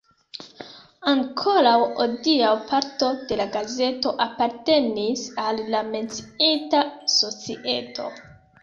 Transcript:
Ankoraŭ hodiaŭ parto de la gazeto apartenis al la menciita societo.